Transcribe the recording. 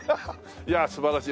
いやあ素晴らしい。